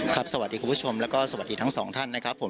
สวัสดีคุณผู้ชมแล้วก็สวัสดีทั้งสองท่านนะครับผม